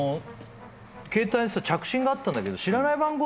携帯に着信があったんだけど。